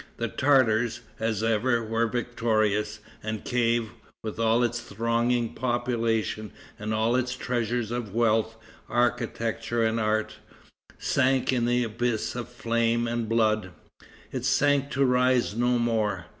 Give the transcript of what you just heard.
The Tartars, as ever, were victorious, and Kief, with all its thronging population and all its treasures of wealth, architecture and art, sank in an abyss of flame and blood. It sank to rise no more.